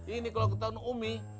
ini kalo ketemu umi